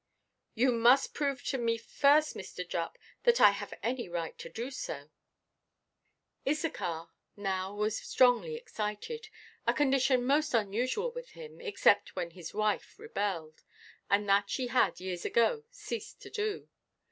"You must prove to me first, Mr. Jupp, that I have any right to do so." Issachar now was strongly excited, a condition most unusual with him, except when his wife rebelled, and that she had, years ago, ceased to do.